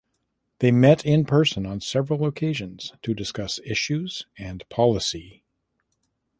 They met in person on several occasions to discuss issues and policy.